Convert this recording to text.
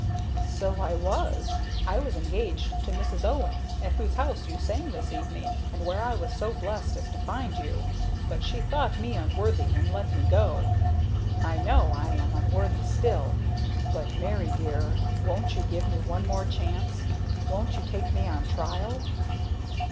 "So I was. I was engaged to Mrs. Owen, at whose house you sang this evening, and where I was so blessed as to find you. But she thought me unworthy and let me go. I know I am unworthy still; but, Mary dear, won't you give me one more chance? Won't you take me on trial?"